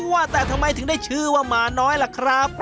ว่าแต่ทำไมถึงได้ชื่อว่าหมาน้อยล่ะครับ